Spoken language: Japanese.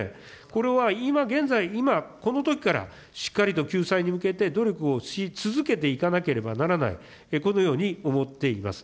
これは今現在、今、このときからしっかりと救済に向けて努力をし続けていかなければならない、このように思っています。